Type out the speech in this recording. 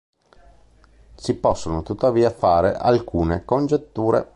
Si possono tuttavia fare alcune congetture.